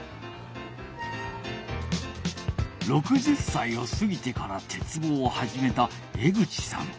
６０歳をすぎてから鉄棒をはじめた江口さん。